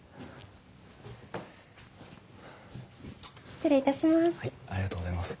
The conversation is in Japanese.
失礼いたします。